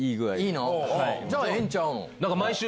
じゃあええんちゃうの？